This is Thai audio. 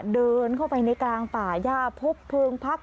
เดินเข้าไปในกลางป่าย่าพบเพลิงพัก